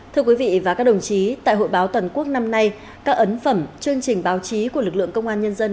thưa quý vị và các đồng chí tại hội báo toàn quốc năm nay các ấn phẩm chương trình báo chí của lực lượng công an nhân dân